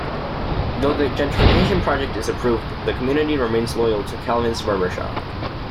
Though the gentrification project is approved, the community remains loyal to Calvin's barbershop.